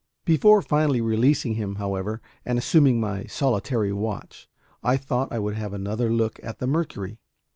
Before finally releasing him, however, and assuming my solitary watch, I thought I would have another look at the mercury.